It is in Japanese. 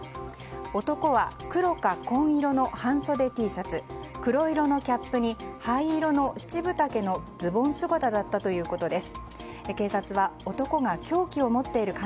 男は黒か紺色の半袖Ｔシャツ黒色のキャップに灰色の７分丈ズボン姿だったということです。